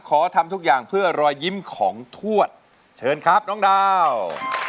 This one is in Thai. ทำทุกอย่างเพื่อรอยยิ้มของทวดเชิญครับน้องดาว